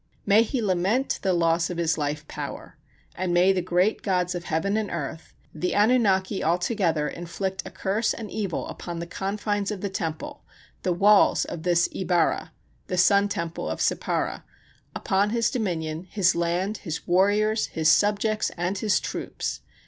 May he lament the loss of his life power, and may the great gods of heaven and earth, the Anunnaki altogether inflict a curse and evil upon the confines of the temple, the walls of this E barra [the Sun temple of Sippara], upon his dominion, his land, his warriors, his subjects and his troops.